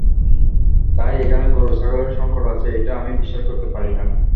তাই এখানে গরু-ছাগলের সংকট আছে, এটা আমি বিশ্বাস করতে পারি না।